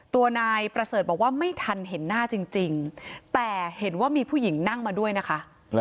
ตัวนายประเสริฐบอกว่าไม่ทันเห็นหน้าจริงแต่เห็นว่ามีผู้หญิงนั่งมาด้วยนะคะ